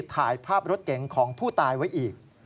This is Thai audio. ถ่ายภาพรถเก๋งของผู้ตายไว้อีก